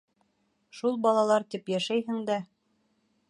Шул балалар тип йәшәйһең дә...